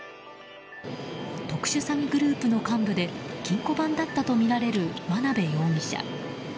特殊詐欺グループの幹部で金庫番だったとみられる真辺容疑者。